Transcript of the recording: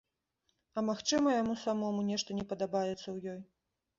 А магчыма, яму самому нешта не падабаецца ў ёй.